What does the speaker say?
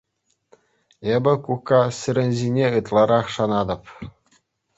Эпӗ, кукка, сирӗн ҫине ытларах шанатӑп.